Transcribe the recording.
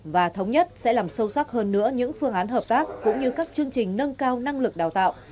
và thống nhất sẽ làm sâu sắc hơn nữa những phương án hợp tác cũng như các chương trình nâng cao năng lực đào tạo